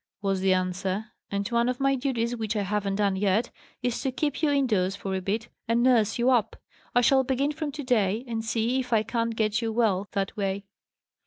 was the answer; "and one of my duties which I haven't done yet, is to keep you indoors for a bit, and nurse you up. I shall begin from to day, and see if I can't get you well, that way."